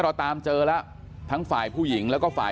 แม่ขี้หมาเนี่ยเธอดีเนี่ยเธอดีเนี่ยเธอดีเนี่ย